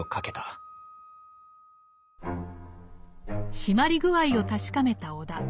しまり具合を確かめた尾田。